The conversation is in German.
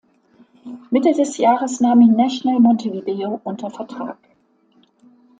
Mitte des Jahres nahm ihn Nacional Montevideo unter Vertrag.